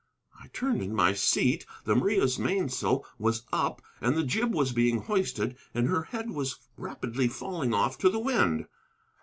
I turned in my seat. The Maria's mainsail was up, and the jib was being hoisted, and her head was rapidly falling off to the wind.